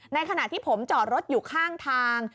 ขณะที่ผมจอดรถอยู่ข้างทาง